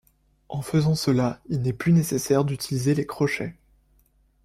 En faisant cela, il n'est plus nécessaire d'utiliser les crochets.